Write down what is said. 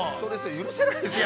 ◆許せないですよ！